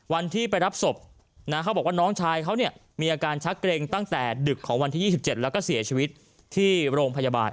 วันที่ไปรับศพนะเขาบอกว่าน้องชายเขาเนี่ยมีอาการชักเกร็งตั้งแต่ดึกของวันที่๒๗แล้วก็เสียชีวิตที่โรงพยาบาล